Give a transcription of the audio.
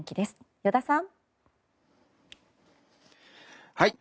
依田さん。